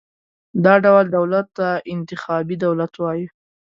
دا ډول دولت ته انتخابي دولت وایو.